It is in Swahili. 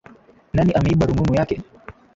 Nani ameiba rununu yake?